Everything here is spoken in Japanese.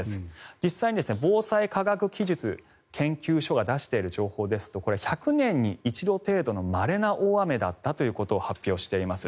実際に防災科学技術研究所が出している情報ですと１００年に一度程度のまれな大雨だったということを発表しています。